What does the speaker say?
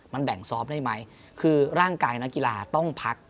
มันแบ่งซอฟต์ได้ไหมคือร่างกายนักกีฬาต้องพัก